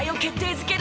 づける